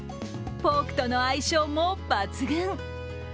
ポークとの相性も抜群。